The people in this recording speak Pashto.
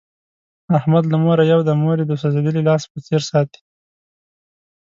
احمد له موره یو دی، مور یې د سوزېدلي لاس په څیر ساتي.